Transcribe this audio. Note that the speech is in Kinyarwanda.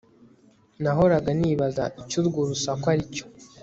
nahoraga nibaza icyo urwo rusaku aricyo